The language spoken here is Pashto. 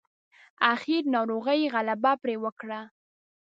اخير ناروغۍ غلبه پرې وکړه.